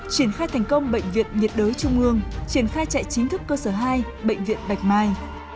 triển khai thành công bệnh viện nhiệt đới trung ương triển khai chạy chính thức cơ sở hai bệnh viện bạch mai